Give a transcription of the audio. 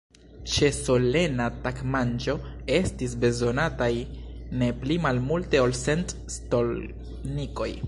Ĉe solena tagmanĝo estis bezonataj ne pli malmulte ol cent stolnikoj.